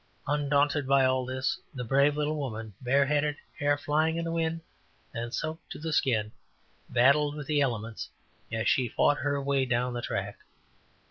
Undaunted by it all, this brave little woman, bare headed, hair flying in the wind, and soaked to the skin, battled with the elements as she fought her way down the track.